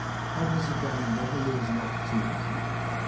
Others, again, never lose an opportunity.